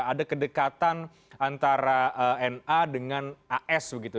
ada kedekatan antara na dengan as begitu